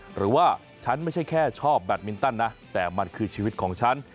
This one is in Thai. หรือว่าฉันไม่ใช่แค่ชอบแบตมินตันนะแต่มันคือชีวิตของฉัน